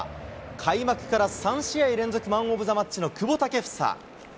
開幕から３試合連続マンオブザマッチの久保建英。